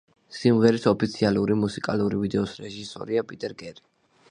სიმღერის ოფიციალური მუსიკალური ვიდეოს რეჟისორია პიტერ კერი.